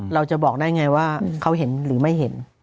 เราจะบอกได้ไงว่าเขาเห็นหรือไม่เห็น